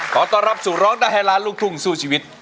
ขอต้อนรับสู่ร้องได้ให้ล้านลูกทุ่งสู้ชีวิต